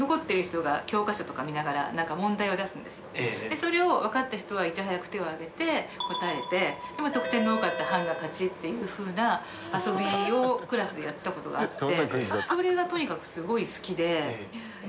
それをわかった人はいち早く手を挙げて答えて得点の多かった班が勝ちっていうふうな遊びをクラスでやった事があって。